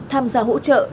tham gia hỗ trợ